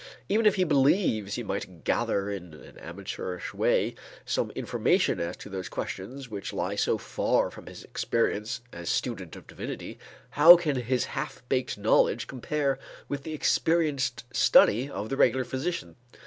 Even if he believes he might gather in an amateurish way some information as to those questions which lie so far from his experience as student of divinity, how can his half baked knowledge compare with the experienced study of the regular physician?